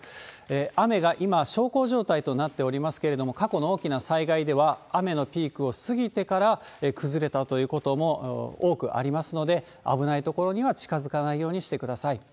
雨が今、小康状態となっておりますけれども、過去の大きな災害では雨のピークを過ぎてから崩れたということも多くありますので、危ない所には近づかないようにしてください。